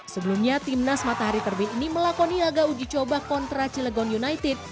sebelumnya tim nas matahari terbit ini melakoni laga uji coba kontra cilegon united